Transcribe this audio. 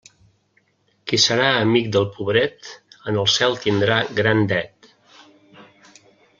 Qui serà amic del pobret, en el cel tindrà gran dret.